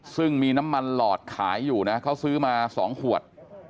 ซึ่งมีน้ำมันหลอดขายอยู่นะเขาซื้อมา๒ขวด